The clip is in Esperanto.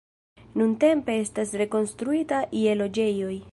Nuntempe estas rekonstruita je loĝejoj.